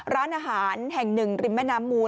ร้านอาหารแห่งหนึ่งริมแม่น้ำมูล